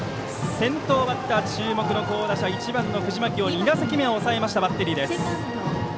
先頭バッター、注目の好打者１番の藤巻の２打席目を抑えたバッテリー。